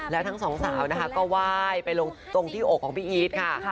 แล้วทั้งสองสาวนะคะก็ไหว้ไปลงตรงที่อกของพี่อีทค่ะ